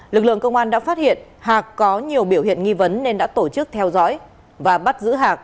lực lượng công an đã phát hiện hạc có nhiều biểu hiện nghi vấn nên đã tổ chức theo dõi và bắt giữ hạc